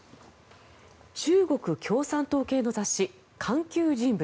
中国共産党系の雑誌「環球人物」。